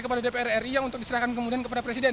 kepada dprri yang diserahkan kemudian kepada presiden